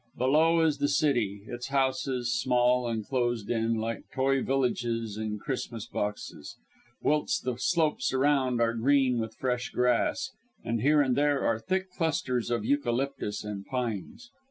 Below is the city, its houses, small, and closed in, like toy villages in Christmas boxes; whilst the slopes around are green with fresh grass; and here and there are thick clusters of eucalyptus and pines.